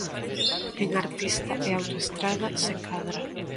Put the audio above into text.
En 'Artista' e 'Autoestrada', se cadra.